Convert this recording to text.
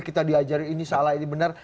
kita diajarin ini salah ini benar